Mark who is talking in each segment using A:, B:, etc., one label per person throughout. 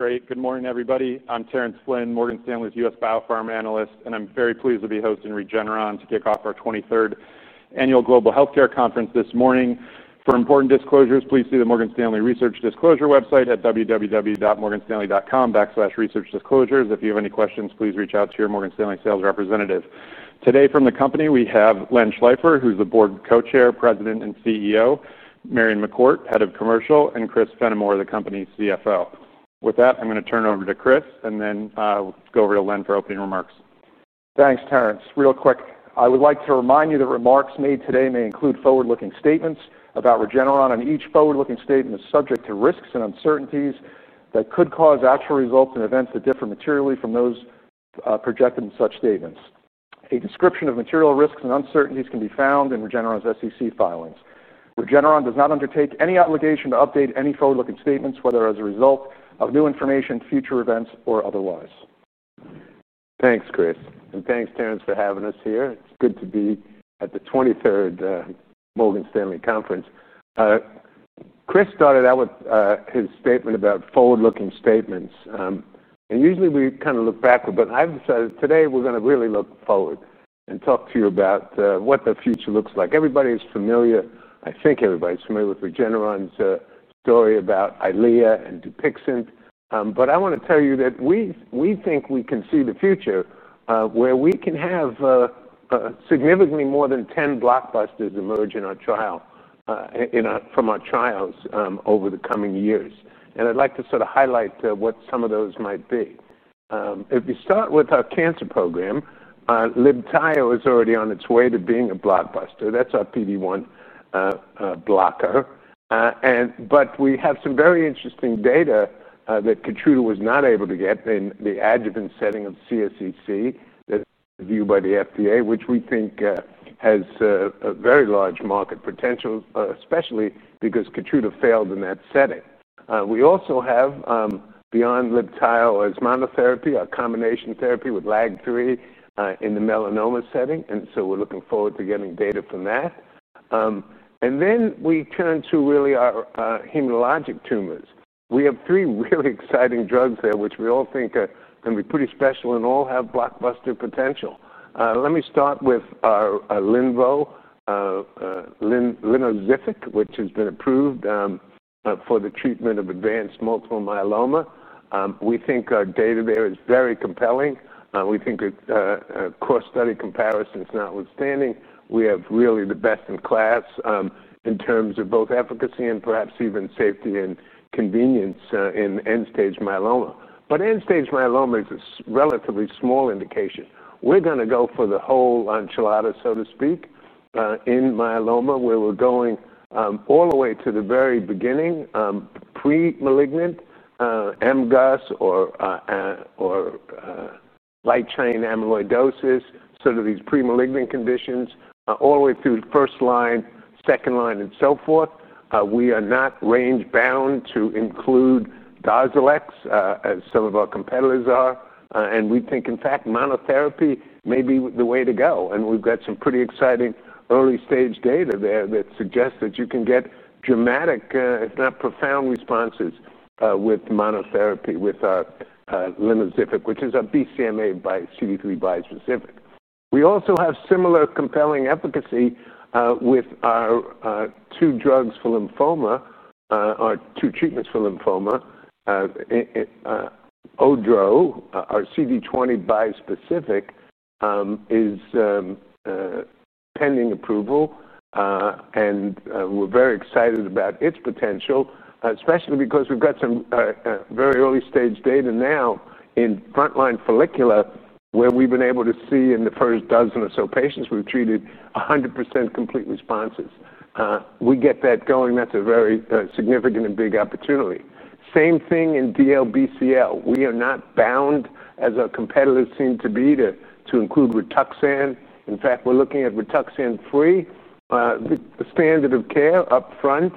A: Great, good morning everybody. I'm Terence Flynn, Morgan Stanley's U.S. Biopharma Analyst, and I'm very pleased to be hosting Regeneron to kick off our 23rd annual Global Healthcare Conference this morning. For important disclosures, please see the Morgan Stanley Research Disclosure website at www.morganstanley.com/researchdisclosures. If you have any questions, please reach out to your Morgan Stanley sales representative. Today from the company, we have Dr. Leonard Schleifer, who's the Board Co-Chair, President and CEO; Marion McCourt, Head of Commercial; and Christopher Fenimore, the company's CFO. With that, I'm going to turn it over to Chris, and then we'll go over to Len for opening remarks.
B: Thanks, Terence. Real quick, I would like to remind you that remarks made today may include forward-looking statements about Regeneron Pharmaceuticals, and each forward-looking statement is subject to risks and uncertainties that could cause actual results and events to differ materially from those projected in such statements. A description of material risks and uncertainties can be found in Regeneron Pharmaceuticals' SEC filings. Regeneron Pharmaceuticals does not undertake any obligation to update any forward-looking statements, whether as a result of new information, future events, or otherwise.
C: Thanks, Chris. Thanks, Terence, for having us here. It's good to be at the 23rd Morgan Stanley Conference. Chris started out with his statement about forward-looking statements. Usually, we kind of look backward, but I've decided today we're going to really look forward and talk to you about what the future looks like. Everybody is familiar, I think everybody's familiar with Regeneron's story about EYLEA and DUPIXENT. I want to tell you that we think we can see the future where we can have significantly more than 10 blockbusters emerge in our trials over the coming years. I'd like to sort of highlight what some of those might be. If you start with our cancer program, LIBTAYO is already on its way to being a blockbuster. That's our PD-1 blocker. We have some very interesting data that Keytruda was not able to get in the adjuvant setting of the CSCC, that's viewed by the FDA, which we think has a very large market potential, especially because Keytruda failed in that setting. We also have, beyond LIBTAYO or its monotherapy, a combination therapy with LAG3 in the melanoma setting. We're looking forward to getting data from that. We turn to really our hematologic tumors. We have three really exciting drugs there, which we all think are going to be pretty special and all have blockbuster potential. Let me start with our Linozyvic, which has been approved for the treatment of advanced multiple myeloma. We think our data there is very compelling. We think its core study comparisons notwithstanding. We have really the best in class in terms of both efficacy and perhaps even safety and convenience in end-stage myeloma. End-stage myeloma is a relatively small indication. We're going to go for the whole enchilada, so to speak, in myeloma, where we're going all the way to the very beginning, pre-malignant MGUS or light chain amyloidosis, sort of these pre-malignant conditions, all the way through first line, second line, and so forth. We are not range-bound to include Darzalex, as some of our competitors are. We think, in fact, monotherapy may be the way to go. We've got some pretty exciting early-stage data there that suggests that you can get dramatic, if not profound, responses with monotherapy with our Linozyvic, which is a BCMAxCD3 bispecific. We also have similar compelling efficacy with our two drugs for lymphoma, our two treatments for lymphoma. Ordspono, our CD20 bispecific, is pending approval. We're very excited about its potential, especially because we've got some very early-stage data now in frontline follicular, where we've been able to see in the first dozen or so patients we've treated 100% complete responses. We get that going. That's a very significant and big opportunity. Same thing in DLBCL. We are not bound, as our competitors seem to be, to include Rituxan. In fact, we're looking at Rituxan-free. The standard of care up front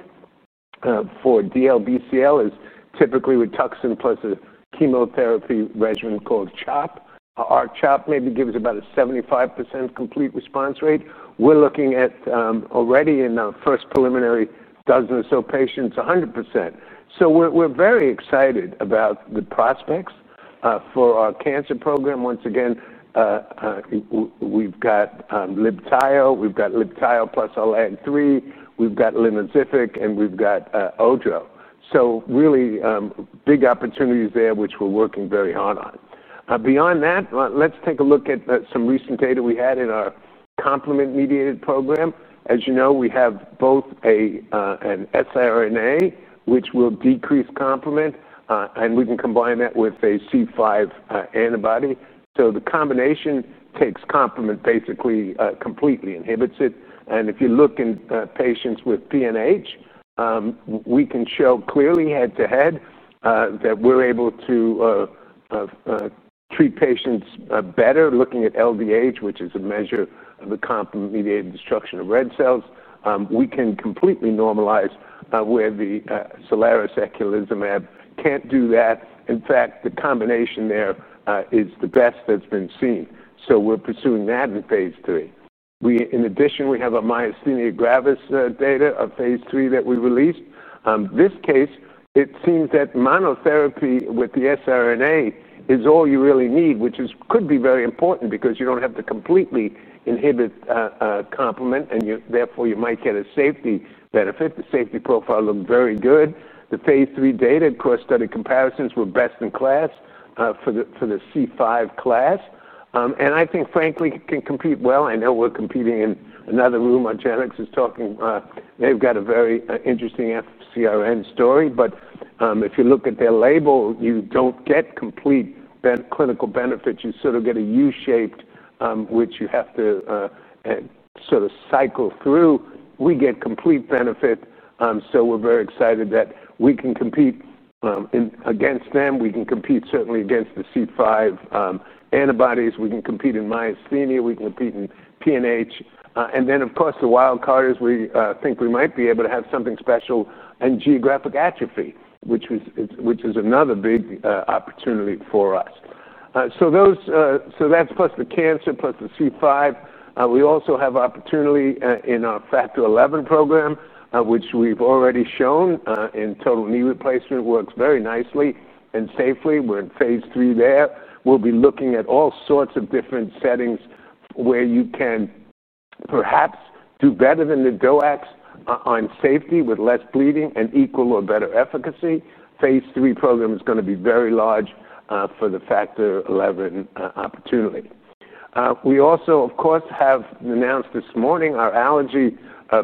C: for DLBCL is typically Rituxan plus a chemotherapy regimen called CHOP. Our CHOP maybe gives about a 75% complete response rate. We're looking at already in our first preliminary dozen or so patients 100%. We're very excited about the prospects for our cancer program. Once again, we've got Libtayo, we've got Libtayo plus our LAG3, we've got Linozyvic, and we've got Ordspono. Really big opportunities there, which we're working very hard on. Beyond that, let's take a look at some recent data we had in our complement-mediated program. As you know, we have both an siRNA, which will decrease complement, and we can combine that with a C5 antibody. The combination takes complement basically completely, inhibits it. If you look in patients with PNH, we can show clearly head-to-head that we're able to treat patients better, looking at LDH, which is a measure of the complement-mediated destruction of red cells. We can completely normalize where the Soliris, seculizumab, can't do that. In fact, the combination there is the best that's been seen. We're pursuing that in phase 3. In addition, we have our myasthenia gravis data of phase 3 that we released. In this case, it seems that monotherapy with the siRNA is all you really need, which could be very important because you don't have to completely inhibit complement. Therefore, you might get a safety benefit. The safety profile looked very good. The phase 3 data core study comparisons were best in class for the C5 class. I think, frankly, it can compete well. I know we're competing in another room. Our genetics is talking. They've got a very interesting CRN story. If you look at their label, you don't get complete clinical benefits. You sort of get a U-shaped, which you have to sort of cycle through. We get complete benefit. We're very excited that we can compete against them. We can compete certainly against the C5 antibodies. We can compete in myasthenia. We can compete in PNH. Of course, the wild card is we think we might be able to have something special in geographic atrophy, which is another big opportunity for us. That's plus the cancer, plus the C5. We also have opportunity in our factor 11 program, which we've already shown in total knee replacement works very nicely and safely. We're in phase 3 there. We'll be looking at all sorts of different settings where you can perhaps do better than the DOACs on safety with less bleeding and equal or better efficacy. Phase 3 program is going to be very large for the factor 11 opportunity. We also, of course, have announced this morning our allergy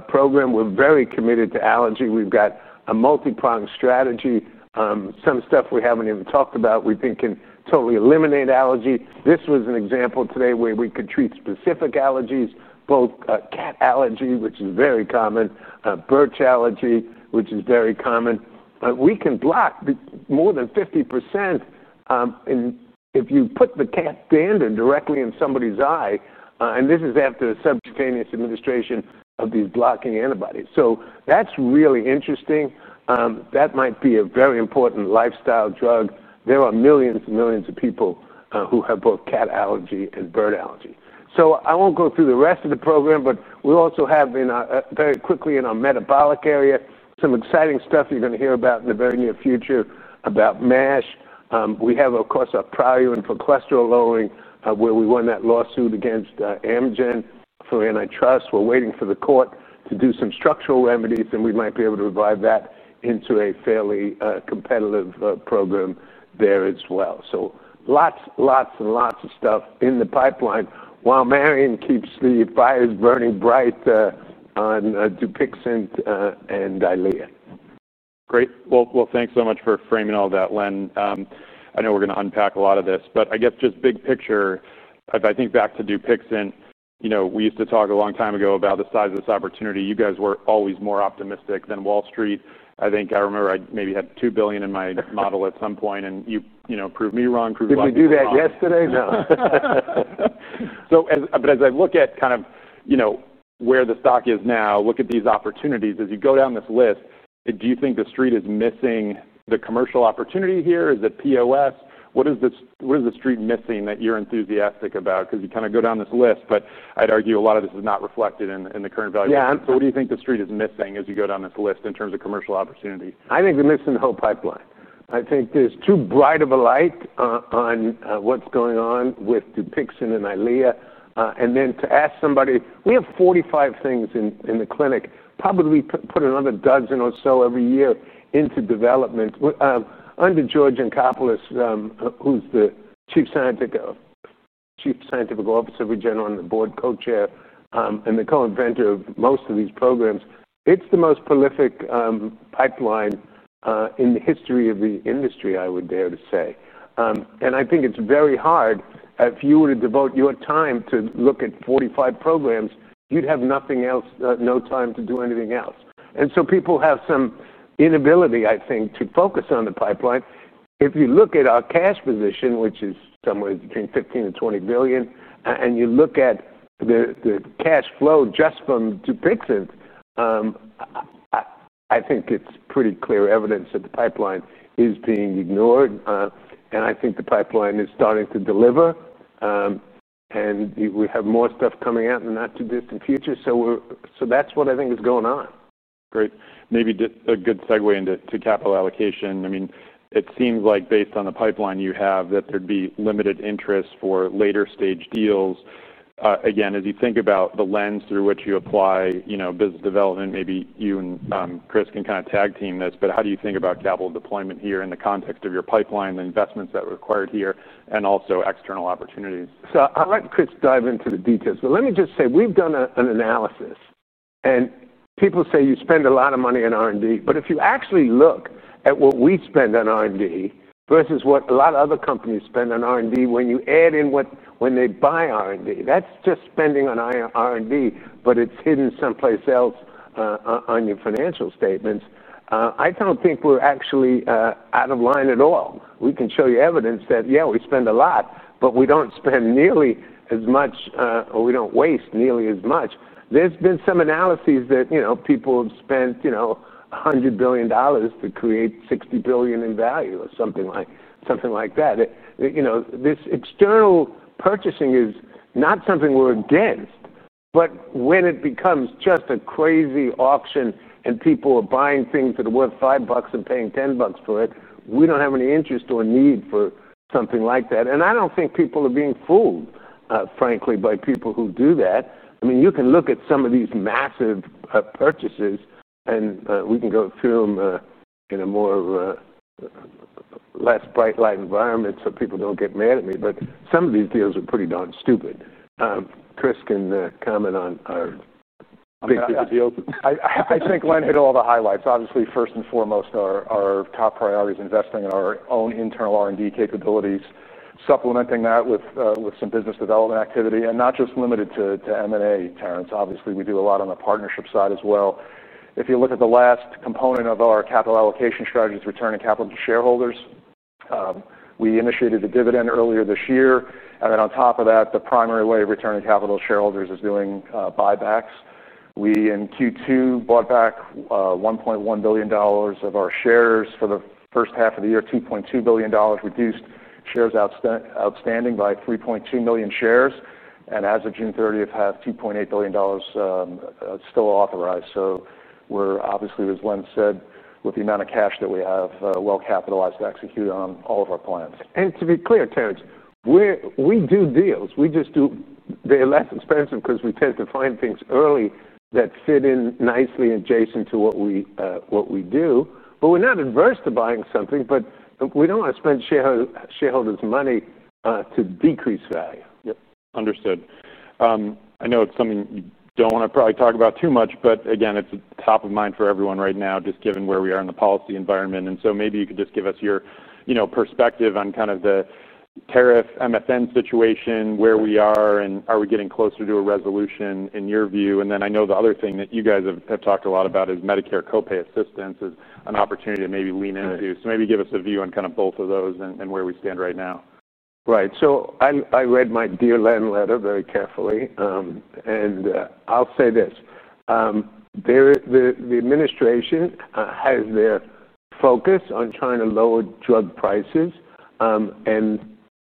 C: program. We're very committed to allergy. We've got a multi-prong strategy. Some stuff we haven't even talked about, we think can totally eliminate allergy. This was an example today where we could treat specific allergies, both cat allergy, which is very common, birch allergy, which is very common. We can block more than 50% if you put the cat dander directly in somebody's eye. This is after a subcutaneous administration of these blocking antibodies. That's really interesting. That might be a very important lifestyle drug. There are millions and millions of people who have both cat allergy and birch allergy. I won't go through the rest of the program, but we also have very quickly in our metabolic area some exciting stuff you're going to hear about in the very near future about MASH. We have, of course, our Praluent for cholesterol lowering, where we won that lawsuit against Amgen for antitrust. We're waiting for the court to do some structural remedies, and we might be able to revive that into a fairly competitive program there as well. Lots, lots, and lots of stuff in the pipeline while Marion keeps the fires burning bright on DUPIXENT and EYLEA.
A: Great. Thanks so much for framing all of that, Len. I know we're going to unpack a lot of this, but I guess just big picture, if I think back to DUPIXENT, you know we used to talk a long time ago about the size of this opportunity. You guys were always more optimistic than Wall Street. I think I remember I maybe had $2 billion in my model at some point, and you proved me wrong, proved my optimism wrong.
C: Did we do that yesterday? No.
A: As I look at kind of, you know, where the stock is now, look at these opportunities. As you go down this list, do you think the street is missing the commercial opportunity here? Is it POS? What is the street missing that you're enthusiastic about? You kind of go down this list, but I'd argue a lot of this is not reflected in the current valuation. What do you think the street is missing as you go down this list in terms of commercial opportunity?
C: I think they're missing the whole pipeline. I think there's too bright of a light on what's going on with DUPIXENT and EYLEA. To ask somebody, we have 45 things in the clinic. Probably we put another dozen or so every year into development. Under Dr. George Yancopoulos, who's the Chief Scientific Officer of Regeneron Pharmaceuticals and the Board Co-Chair and the co-inventor of most of these programs, it's the most prolific pipeline in the history of the industry, I would dare to say. I think it's very hard. If you were to devote your time to look at 45 programs, you'd have nothing else, no time to do anything else. People have some inability, I think, to focus on the pipeline. If you look at our cash position, which is somewhere between $15 billion and $20 billion, and you look at the cash flow just from DUPIXENT, I think it's pretty clear evidence that the pipeline is being ignored. I think the pipeline is starting to deliver. We have more stuff coming out in the not-too-distant future. That's what I think is going on.
A: Great. Maybe just a good segue into capital allocation. It seems like based on the pipeline you have, that there'd be limited interest for later-stage deals. As you think about the lens through which you apply business development, maybe you and Chris can kind of tag team this. How do you think about capital deployment here in the context of your pipeline, the investments that are required here, and also external opportunities?
C: I'll let Chris dive into the details. Let me just say, we've done an analysis. People say you spend a lot of money on R&D. If you actually look at what we spend on R&D versus what a lot of other companies spend on R&D, when you add in when they buy R&D, that's just spending on R&D, but it's hidden someplace else on your financial statements. I don't think we're actually out of line at all. We can show you evidence that, yeah, we spend a lot, but we don't spend nearly as much, or we don't waste nearly as much. There have been some analyses that people have spent $100 billion to create $60 billion in value or something like that. This external purchasing is not something we're against. When it becomes just a crazy auction and people are buying things that are worth $5 and paying $10 for it, we don't have any interest or need for something like that. I don't think people are being fooled, frankly, by people who do that. You can look at some of these massive purchases, and we can go through them in a more less bright light environment so people don't get mad at me. Some of these deals are pretty darn stupid. Chris can comment on our big picture deals.
B: I think Len hit all the highlights. Obviously, first and foremost, our top priority is investing in our own internal R&D capabilities, supplementing that with some business development activity, and not just limited to M&A, Terence. Obviously, we do a lot on the partnership side as well. If you look at the last component of our capital allocation strategy, it's returning capital to shareholders. We initiated a dividend earlier this year. The primary way of returning capital to shareholders is doing buybacks. We in Q2 bought back $1.1 billion of our shares. For the first half of the year, $2.2 billion, reduced shares outstanding by 3.2 million shares, and as of June 30, have $2.8 billion still authorized. We're obviously, as Len said, with the amount of cash that we have, well-capitalized to execute on all of our plans.
C: To be clear, Terence, we do deals. We just do they're less expensive because we tend to find things early that fit in nicely adjacent to what we do. We're not averse to buying something, but we don't want to spend shareholders' money to decrease value.
A: Yep, understood. I know it's something you don't want to probably talk about too much, but again, it's top of mind for everyone right now, just given where we are in the policy environment. Maybe you could just give us your perspective on kind of the tariff MFN situation, where we are, and are we getting closer to a resolution in your view? I know the other thing that you guys have talked a lot about is Medicare co-pay assistance as an opportunity to maybe lean into. Maybe give us a view on kind of both of those and where we stand right now.
C: Right. I read my dear Len letter very carefully. I'll say this. The administration has their focus on trying to lower drug prices.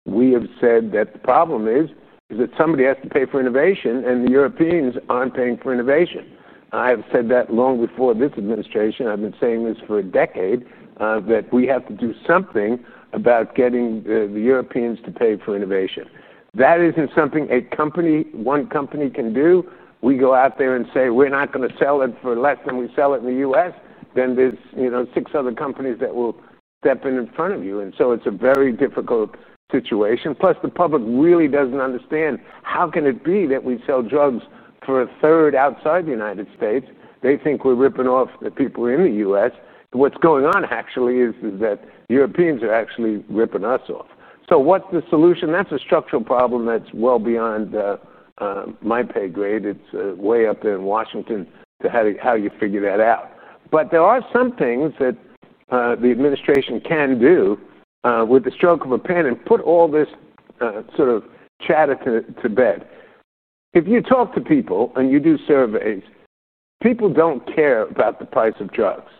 C: We have said that the problem is that somebody has to pay for innovation, and the Europeans aren't paying for innovation. I have said that long before this administration. I've been saying this for a decade, that we have to do something about getting the Europeans to pay for innovation. That isn't something one company can do. We go out there and say, we're not going to sell it for less than we sell it in the U.S., then there are six other companies that will step in in front of you. It's a very difficult situation. Plus, the public really doesn't understand how can it be that we sell drugs for a third outside the United States. They think we're ripping off the people in the U.S. What's going on actually is that Europeans are actually ripping us off. What's the solution? That's a structural problem that's well beyond my pay grade. It's way up in Washington to how you figure that out. There are some things that the administration can do with the stroke of a pen and put all this sort of chatter to bed. If you talk to people and you do surveys, people don't care about the price of drugs.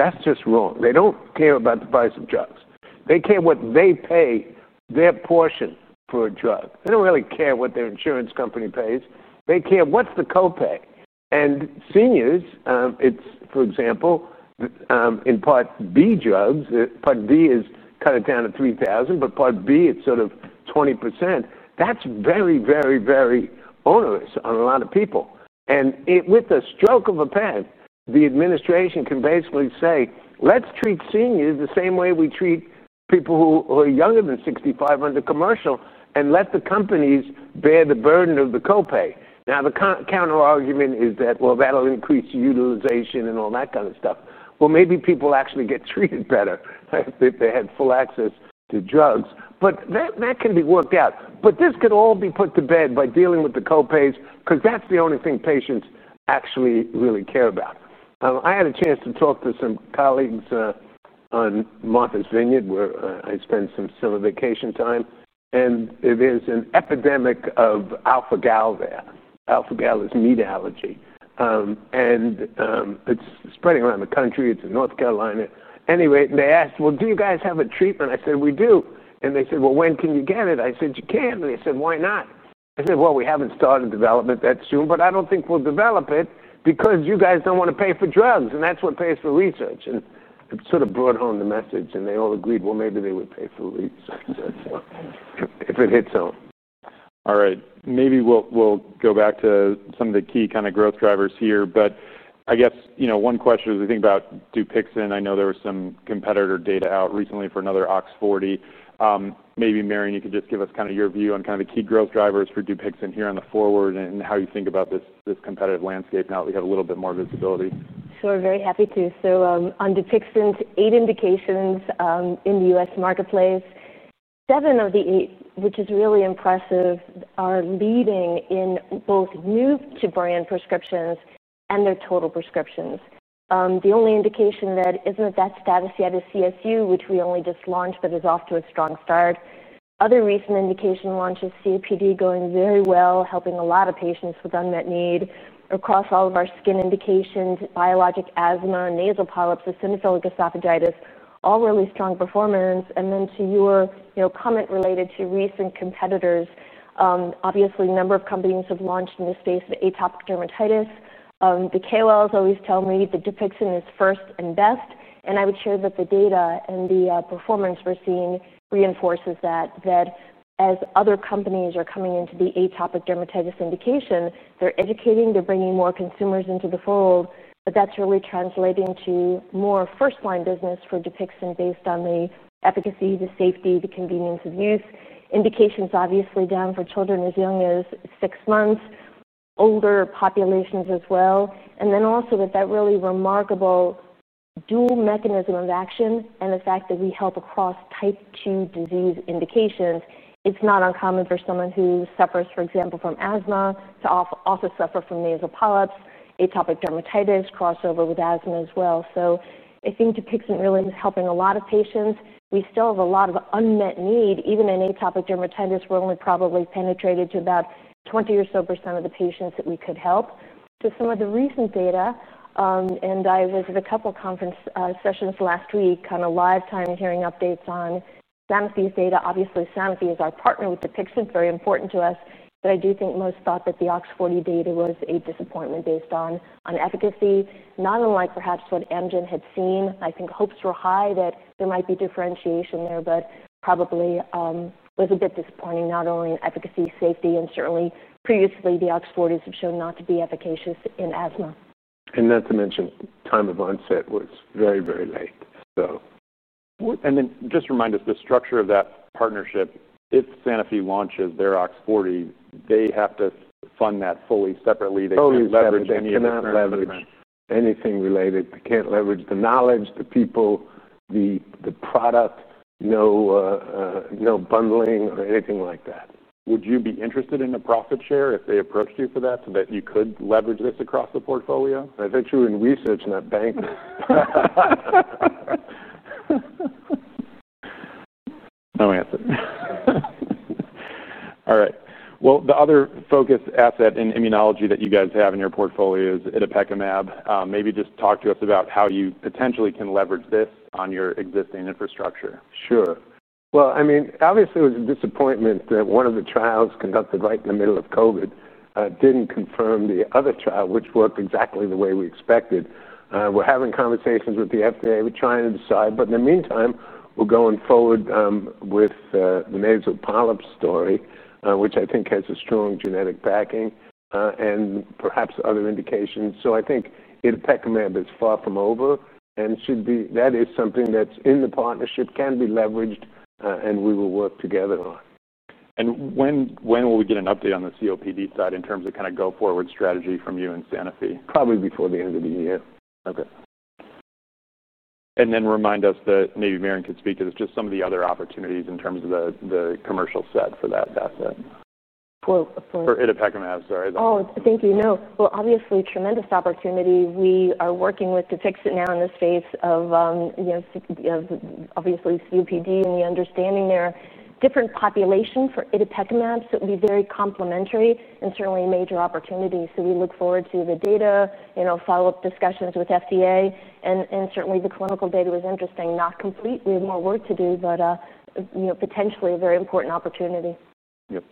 C: That's just wrong. They don't care about the price of drugs. They care what they pay, their portion for a drug. They don't really care what their insurance company pays. They care what's the co-pay. Seniors, for example, in part B drugs, part D is cut it down to $3,000, but part B, it's sort of 20%. That's very, very, very onerous on a lot of people. With a stroke of a pen, the administration can basically say, let's treat seniors the same way we treat people who are younger than 65 under commercial and let the companies bear the burden of the co-pay. The counterargument is that that'll increase utilization and all that kind of stuff. Maybe people actually get treated better if they had full access to drugs. That can be worked out. This could all be put to bed by dealing with the co-pays because that's the only thing patients actually really care about. I had a chance to talk to some colleagues on Martha's Vineyard where I spent some silly vacation time. There's an epidemic of alpha-gal there. Alpha-gal is meat allergy. It's spreading around the country. It's in North Carolina. Anyway, they asked, do you guys have a treatment? I said, we do. They said, when can you get it? I said, you can. They said, why not? I said, we haven't started development that soon, but I don't think we'll develop it because you guys don't want to pay for drugs. That's what pays for research. It sort of brought home the message. They all agreed, maybe they would pay for research if it hits home.
A: All right. Maybe we'll go back to some of the key kind of growth drivers here. I guess, you know, one question is we think about DUPIXENT. I know there was some competitor data out recently for another OX40. Maybe Marion, you could just give us kind of your view on kind of the key growth drivers for DUPIXENT here on the forward and how you think about this competitive landscape now that we have a little bit more visibility.
D: Sure, very happy to. On DUPIXENT, eight indications in the U.S. marketplace. Seven of the eight, which is really impressive, are leading in both new-to-brand prescriptions and their total prescriptions. The only indication that isn't at that status yet is CSU, which we only just launched but is off to a strong start. Other recent indication launch of CAPD going very well, helping a lot of patients with unmet need across all of our skin indications, biologic asthma, nasal polyps, eosinophilic esophagitis, all really strong performance. To your comment related to recent competitors, obviously, a number of companies have launched in the space of atopic dermatitis. The KOLs always tell me that DUPIXENT is first and best. I would share that the data and the performance we're seeing reinforces that. As other companies are coming into the atopic dermatitis indication, they're educating, they're bringing more consumers into the fold. That is really translating to more first-line business for DUPIXENT based on the efficacy, the safety, the convenience, and use. Indications obviously down for children as young as six months, older populations as well. With that really remarkable dual mechanism of action and the fact that we help across type 2 disease indications, it's not uncommon for someone who suffers, for example, from asthma to also suffer from nasal polyps, atopic dermatitis, crossover with asthma as well. I think DUPIXENT really is helping a lot of patients. We still have a lot of unmet need, even in atopic dermatitis. We're only probably penetrated to about 20% or so of the patients that we could help. To some of the recent data, I visited a couple of conference sessions last week, kind of live time hearing updates on Sanofi's data. Sanofi is our partner with DUPIXENT, very important to us. I do think most thought that the OX40 data was a disappointment based on efficacy, not unlike perhaps what Amgen had seen. Hopes were high that there might be differentiation there, but probably was a bit disappointing, not only in efficacy, safety, and certainly previously the OX40s have shown not to be efficacious in asthma.
C: Time of onset was very, very late.
B: Just remind us the structure of that partnership. If Sanofi launches their OX40, they have to fund that fully separately.
C: Fully leverage any of that, not leverage anything related. They can't leverage the knowledge, the people, the product, no bundling or anything like that.
B: Would you be interested in a profit share if they approached you for that, so that you could leverage this across the portfolio?
C: I bet you in research in that bank.
B: No answer. All right. The other focus asset in immunology that you guys have in your portfolio is itepekimab. Maybe just talk to us about how you potentially can leverage this on your existing infrastructure.
C: Sure. Obviously, it was a disappointment that one of the trials conducted right in the middle of COVID didn't confirm the other trial, which worked exactly the way we expected. We're having conversations with the FDA. We're trying to decide. In the meantime, we're going forward with the nasal polyp story, which I think has a strong genetic backing and perhaps other indications. I think itepekimab is far from over. That is something that's in the partnership, can be leveraged, and we will work together on.
B: When will we get an update on the COPD side in terms of kind of go-forward strategy from you and Sanofi?
C: Probably before the end of the year.
B: Okay. Could Marion speak to just some of the other opportunities in terms of the commercial set for that asset? For garetosmab, sorry.
D: Thank you. Obviously, tremendous opportunity. We are working with DUPIXENT now in the space of, you know, obviously, COPD and the understanding there. Different population for itepekimab. It would be very complementary and certainly a major opportunity. We look forward to the data, follow-up discussions with FDA. Certainly, the clinical data was interesting. Not complete. We have more work to do, but, you know, potentially a very important opportunity.
A: Yep.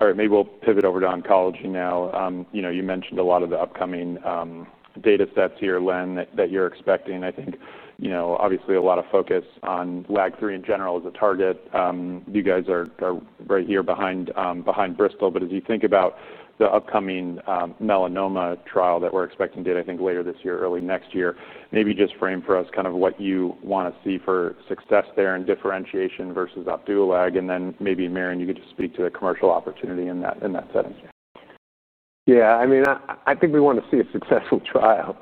A: All right. Maybe we'll pivot over to oncology now. You know, you mentioned a lot of the upcoming data sets here, Len, that you're expecting. I think, you know, obviously, a lot of focus on LAG3 in general as a target. You guys are right here behind Bristol. As you think about the upcoming melanoma trial that we're expecting data, I think, later this year, early next year, maybe just frame for us kind of what you want to see for success there and differentiation versus Opdualag. Maybe, Marion, you could just speak to the commercial opportunity in that setting.
C: Yeah, I mean, I think we want to see a successful trial,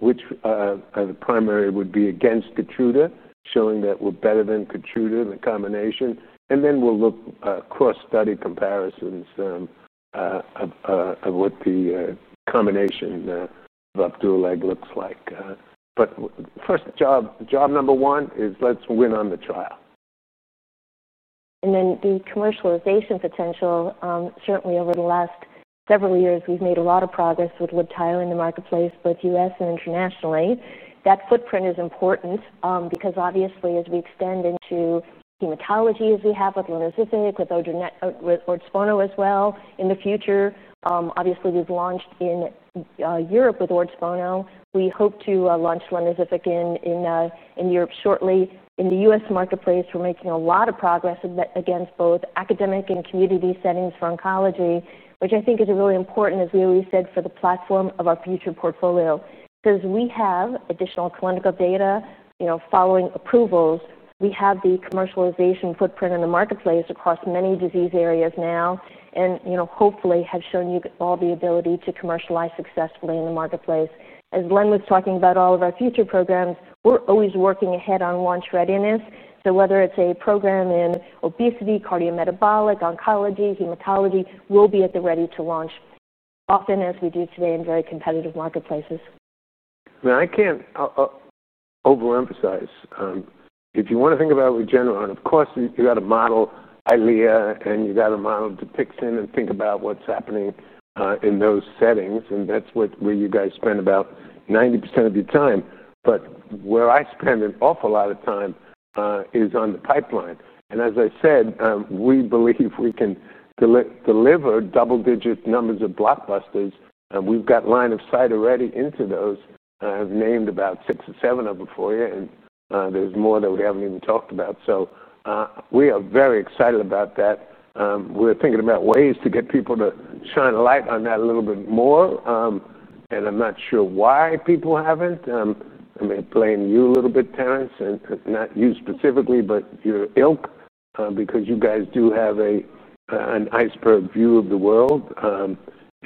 C: which the primary would be against Keytruda, showing that we're better than Keytruda in the combination. We'll look at cross-study comparisons of what the combination of Opdualag looks like. First job, job number one is let's win on the trial.
D: The commercialization potential, certainly over the last several years, we've made a lot of progress with Libtayo in the marketplace, both U.S. and internationally. That footprint is important because, obviously, as we extend into hematology, as we have with Linozyvic, with Ordspono as well in the future, we've launched in Europe with Ordspono. We hope to launch Linozyvic in Europe shortly. In the U.S. marketplace, we're making a lot of progress against both academic and community settings for oncology, which I think is really important, as we always said, for the platform of our future portfolio. We have additional clinical data following approvals. We have the commercialization footprint in the marketplace across many disease areas now and, hopefully, have shown you all the ability to commercialize successfully in the marketplace. As Len was talking about all of our future programs, we're always working ahead on launch readiness. Whether it's a program in obesity, cardiometabolic, oncology, hematology, we'll be at the ready to launch, often as we do today in very competitive marketplaces.
C: I mean, I can't overemphasize. If you want to think about Regeneron Pharmaceuticals, of course, you've got to model EYLEA, and you've got to model DUPIXENT and think about what's happening in those settings. That's where you guys spend about 90% of your time. Where I spend an awful lot of time is on the pipeline. As I said, we believe we can deliver double-digit numbers of blockbuster drugs. We've got line of sight already into those. I've named about six or seven of them for you, and there's more that we haven't even talked about. We are very excited about that. We're thinking about ways to get people to shine a light on that a little bit more. I'm not sure why people haven't. I mean, blaming you a little bit, Terence, and not you specifically, but your ilk because you guys do have an iceberg view of the world.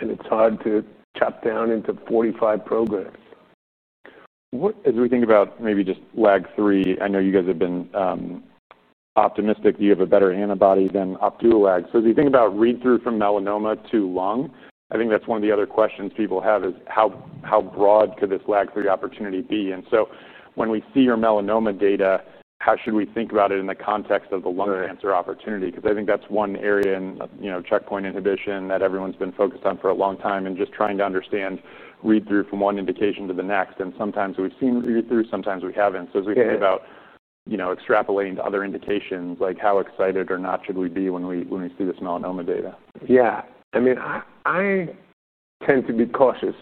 C: It's hard to chop down into 45 programs.
A: As we think about maybe just LAG3, I know you guys have been optimistic you have a better antibody than Opdualag. As you think about read-through from melanoma to lung, I think that's one of the other questions people have: how broad could this LAG3 opportunity be? When we see your melanoma data, how should we think about it in the context of the lung cancer opportunity? I think that's one area in checkpoint inhibition that everyone's been focused on for a long time, just trying to understand read-through from one indication to the next. Sometimes we've seen read-through, sometimes we haven't. As we think about extrapolating to other indications, how excited or not should we be when we see this melanoma data?
C: Yeah. I mean, I tend to be cautious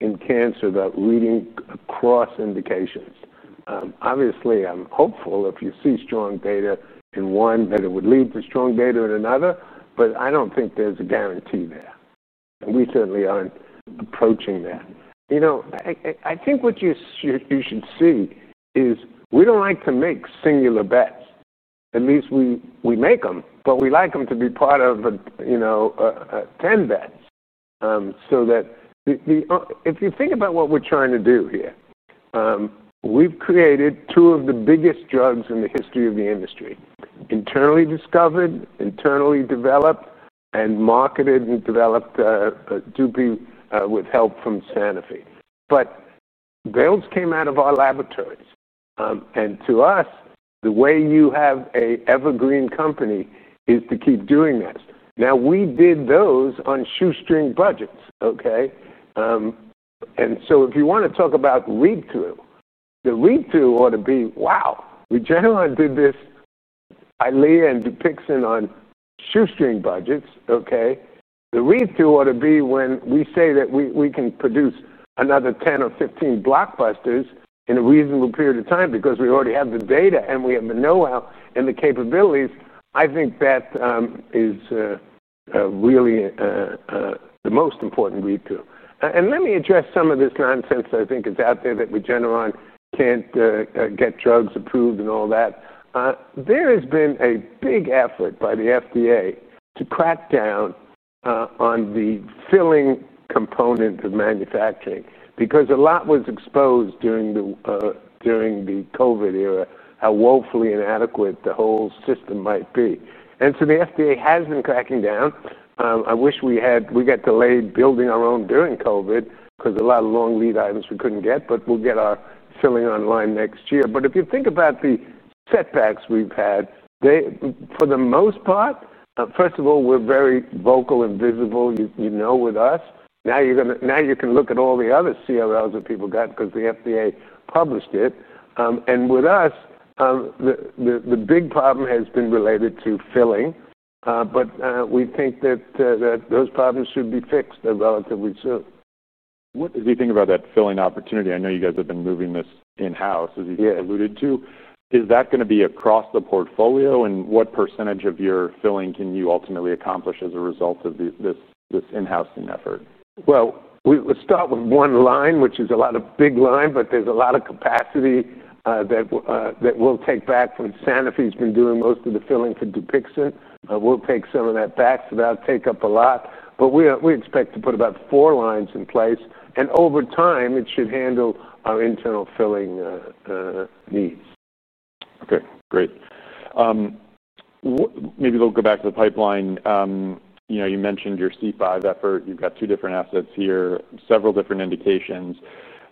C: in cancer about leading across indications. Obviously, I'm hopeful if you see strong data in one that it would lead to strong data in another, but I don't think there's a guarantee there. We certainly aren't approaching that. You know, I think what you should see is we don't like to make singular bets. At least we make them, but we like them to be part of 10 bets. If you think about what we're trying to do here, we've created two of the biggest drugs in the history of the industry, internally discovered, internally developed, and marketed and developed with help from Sanofi. Those came out of our laboratories. To us, the way you have an evergreen company is to keep doing this. We did those on shoestring budgets, OK? If you want to talk about read-through, the read-through ought to be, wow, Regeneron did this, EYLEA, and DUPIXENT on shoestring budgets, OK? The read-through ought to be when we say that we can produce another 10 or 15 blockbusters in a reasonable period of time because we already have the data and we have the know-how and the capabilities. I think that is really the most important read-through. Let me address some of this nonsense that I think is out there that Regeneron can't get drugs approved and all that. There has been a big effort by the FDA to crack down on the filling component of manufacturing because a lot was exposed during the COVID era, how woefully inadequate the whole system might be. The FDA has been cracking down. I wish we had, we got delayed building our own during COVID because a lot of long lead items we couldn't get, but we'll get our filling online next year. If you think about the setbacks we've had, for the most part, first of all, we're very vocal and visible, you know, with us. Now you can look at all the other CRLs that people got because the FDA published it. With us, the big problem has been related to filling. We think that those problems should be fixed relatively soon.
A: As you think about that filling opportunity, I know you guys have been moving this in-house, as you've alluded to. Is that going to be across the portfolio? What percentage of your filling can you ultimately accomplish as a result of this in-house effort?
C: Let's start with one line, which is a lot of big line, but there's a lot of capacity that we'll take back from Sanofi's been doing most of the filling for DUPIXENT. We'll take some of that back. That'll take up a lot. We expect to put about four lines in place. Over time, it should handle our internal filling needs.
A: Okay, great. Maybe a little go back to the pipeline. You mentioned your C5 effort. You've got two different assets here, several different indications.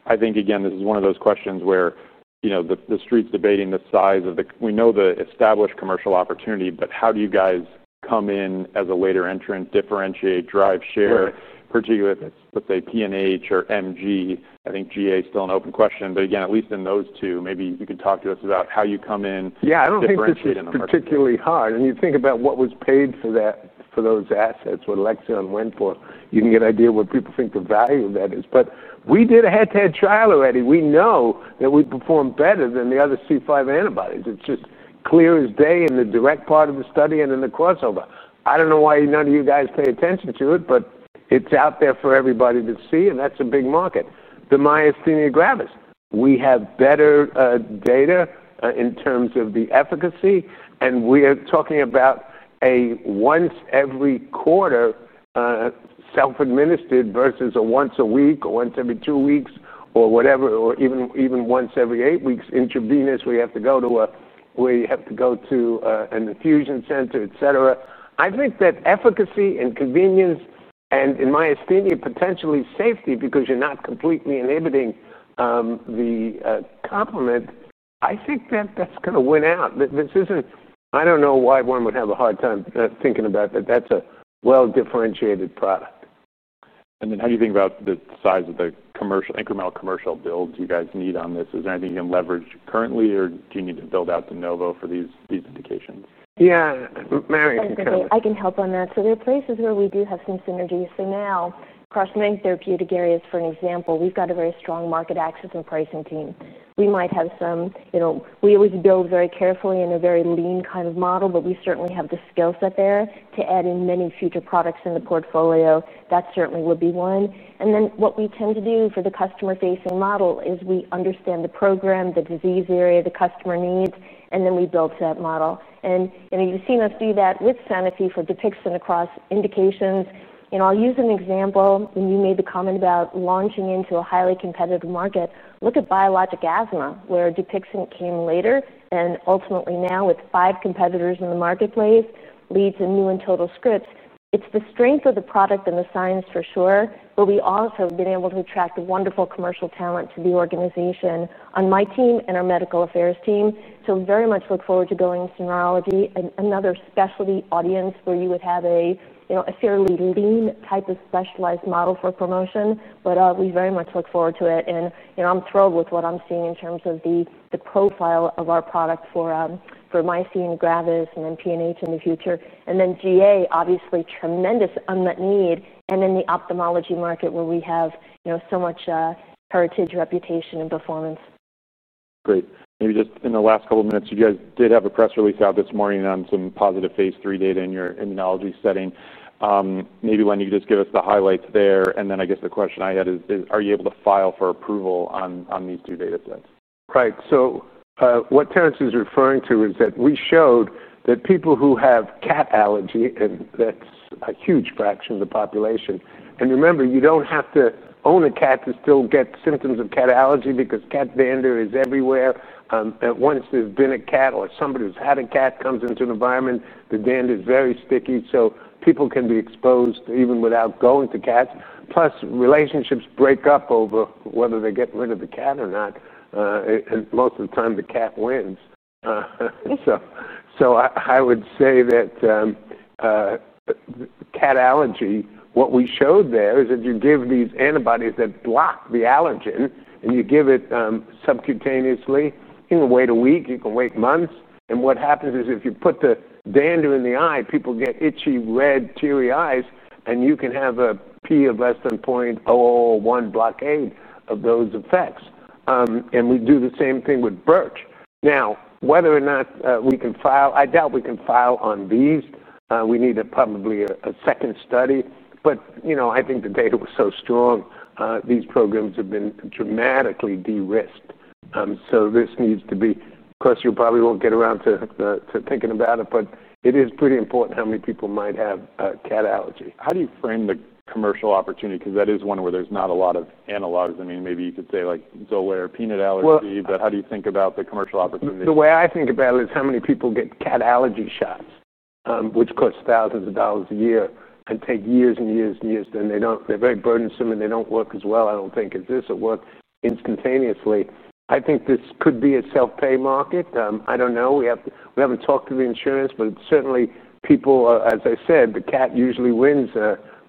A: I think this is one of those questions where the street's debating the size of the, we know the established commercial opportunity, but how do you guys come in as a later entrant, differentiate, drive share, particularly if it's, let's say, PNH or MG? I think GA is still an open question. At least in those two, maybe you could talk to us about how you come in.
C: Yeah, I don't think it's particularly hard. You think about what was paid for those assets, what Alexion went for. You can get an idea of what people think the value of that is. We did a head-to-head trial already. We know that we perform better than the other C5 antibodies. It's just clear as day in the direct part of the study and in the crossover. I don't know why none of you guys pay attention to it, but it's out there for everybody to see, and that's a big market. The myasthenia gravis, we have better data in terms of the efficacy. We are talking about a once every quarter self-administered versus a once a week or once every two weeks or whatever, or even once every eight weeks intravenous. You have to go to an infusion center, et cetera. I think that efficacy and convenience and in myasthenia potentially safety because you're not completely inhibiting the complement. I think that that's going to win out. This isn't, I don't know why one would have a hard time thinking about that. That's a well-differentiated product.
A: How do you think about the size of the commercial, incremental commercial builds you guys need on this? Is there anything you can leverage currently, or do you need to build out de novo for these indications?
C: Yeah, Mary.
D: I can help on that. There are places where we do have some synergy. Now, across many therapeutic areas, for example, we've got a very strong market access and pricing team. We always build very carefully in a very lean kind of model, but we certainly have the skill set there to add in many future products in the portfolio. That certainly would be one. What we tend to do for the customer-facing model is we understand the program, the disease area, the customer needs, and then we build that model. You've seen us do that with Sanofi for DUPIXENT across indications. I'll use an example. You made the comment about launching into a highly competitive market. Look at biologic asthma, where DUPIXENT came later. Ultimately, now with five competitors in the marketplace, it leads in new and total scripts. It's the strength of the product and the science for sure, but we also have been able to attract wonderful commercial talent to the organization on my team and our medical affairs team. I very much look forward to going to neurology, another specialty audience where you would have a fairly lean type of specialized model for promotion. We very much look forward to it. I'm thrilled with what I'm seeing in terms of the profile of our product for myasthenia gravis and then PNH in the future. GA, obviously, tremendous unmet need. The ophthalmology market is where we have so much heritage, reputation, and performance.
A: Great. Maybe just in the last couple of minutes, you guys did have a press release out this morning on some positive phase 3 data in your immunology setting. Maybe Len, you could just give us the highlights there. I guess the question I had is, are you able to file for approval on these two data sets?
C: Right. What Terence is referring to is that we showed that people who have cat allergy, and that's a huge fraction of the population. Remember, you don't have to own a cat to still get symptoms of cat allergy because cat dander is everywhere. Once there's been a cat or somebody who's had a cat comes into an environment, the dander is very sticky. People can be exposed even without going to cats. Plus, relationships break up over whether they get rid of the cat or not. Most of the time, the cat wins. I would say that cat allergy, what we showed there is that you give these antibodies that block the allergen, and you give it subcutaneously. You can wait a week. You can wait months. What happens is if you put the dander in the eye, people get itchy, red, teary eyes, and you can have a p of less than 0.01 blockade of those effects. We do the same thing with birch. Whether or not we can file, I doubt we can file on these. We need probably a second study. I think the data was so strong. These programs have been dramatically de-risked. This needs to be, plus, you probably won't get around to thinking about it, but it is pretty important how many people might have a cat allergy.
A: How do you frame the commercial opportunity? Because that is one where there's not a lot of analogues. I mean, maybe you could say like Xolair or peanut allergy. How do you think about the commercial opportunity?
C: The way I think about it is how many people get cat allergy shots, which cost thousands of dollars a year and take years and years and years. They are very burdensome, and they do not work as well, I do not think, as this at work instantaneously. I think this could be a self-pay market. I do not know. We have not talked to the insurance, but certainly people, as I said, the cat usually wins.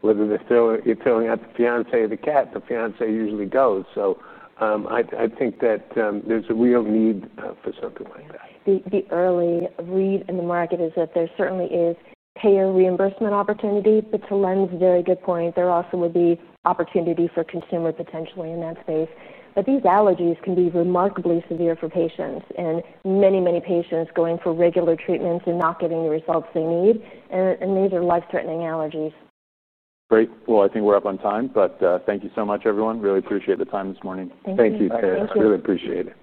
C: Whether you are throwing out the fiancé or the cat, the fiancé usually goes. I think that there is a real need for something like that.
D: The early read in the market is that there certainly is payer reimbursement opportunity. To Len's very good point, there also would be opportunity for consumer potentially in that space. These allergies can be remarkably severe for patients, and many, many patients going for regular treatments are not getting the results they need. These are life-threatening allergies.
A: Great. I think we're up on time, but thank you so much, everyone. Really appreciate the time this morning.
B: Thank you, Terence. Really appreciate it.